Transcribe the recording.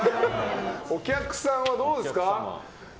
お客さんはどうですか？